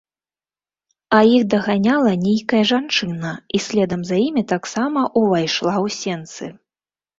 А іх даганяла нейкая жанчына і следам за імі таксама ўвайшла ў сенцы.